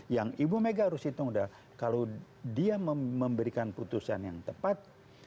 yang ibu mega harus hitung dah kalau dia memberikan putusan yang tepat